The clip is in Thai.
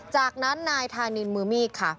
จากนั้นนายธานินมือมีดค่ะ